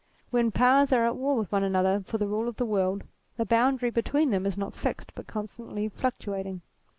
When powers are at war with one another for the rule of the world, the boundary between them is not fixed but constantly fluctuating.